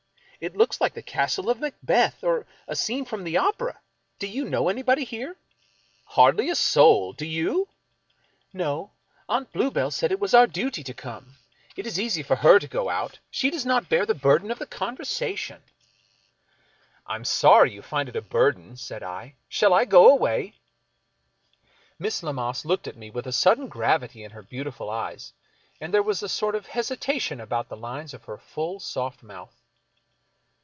It looks like the castle of Macbeth, or a scene from the opera. Do you know anybody here ?"" Hardly a soul ! Do you? "" No. Aunt Bluebell said it was our dutv to come. It is easy for her to go out ; she does not bear the burden of the conversation." 35 American Mystery Stories " I am sorry you find it a burden," said I. " Shall I go away ?" Miss Lammas looked at me with a sudden gravity in her beautiful eyes, and there was a sort of hesitation about the lines of her full, soft mouth.